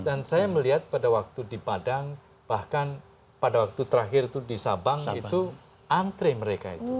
dan saya melihat pada waktu di padang bahkan pada waktu terakhir itu di sabang itu antre mereka itu